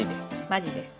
マジです。